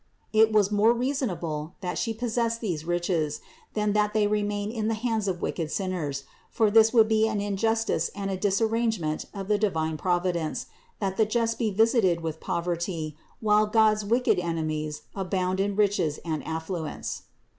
It was more reasonable that She possess these riches, than that they remain in the hands of wicked sinners, for this would be an injustice and a disarrange ment of the divine Providence that the just be visited with poverty, while God's wicked enemies abound in riches and affluence.